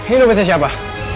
ini lo bernama siapa